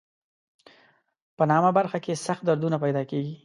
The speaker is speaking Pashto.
په نامه برخه کې سخت دردونه پیدا کېږي.